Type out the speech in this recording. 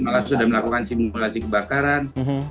malah sudah melakukan simulasi kebakaran